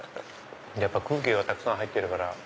空気がたくさん入ってるから。